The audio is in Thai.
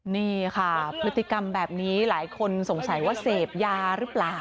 นี่ค่ะพฤติกรรมแบบนี้หลายคนสงสัยว่าเสพยาหรือเปล่า